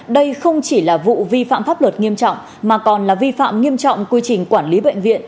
đây không chỉ là vụ vi phạm pháp luật nghiêm trọng mà còn là vi phạm nghiêm trọng quy trình quản lý bệnh viện